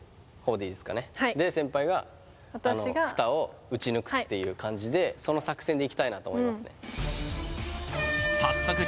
はい私がで先輩がフタを打ち抜くっていう感じでその作戦でいきたいなと思います